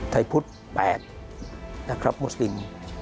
ไทยพุทธ๘นะครับมุสลิม